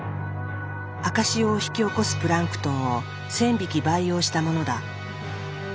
赤潮を引き起こすプランクトンを１，０００匹培養したものだ。